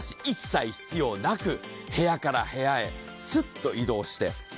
一切必要なく部屋から部屋へスッと移動して。